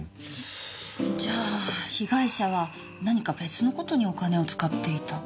じゃあ被害者は何か別の事にお金を使っていた。